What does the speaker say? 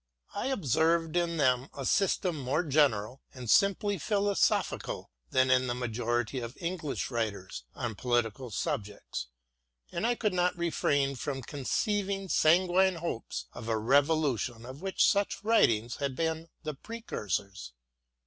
I observed in them a system more general and simply philosophical than in the majority of English writers on political subjects, and I could not refrain from conceiving sanguine hopes of a revolution of which such writings had been the precursors.